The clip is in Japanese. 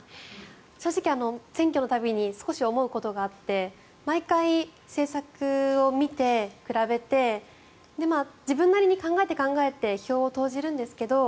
正直、選挙の度に少し思うことがあって毎回、政策を見て、比べて自分なりに考えて票を投じるんですけど